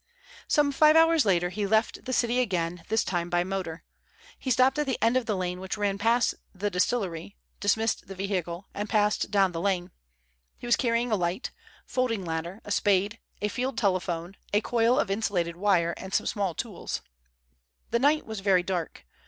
Some five hours later he left the city again, this time by motor. He stopped at the end of the lane which ran past the distillery, dismissed the vehicle, and passed down the lane. He was carrying a light, folding ladder, a spade, a field telephone, a coil of insulated wire, and some small tools. The night was very dark.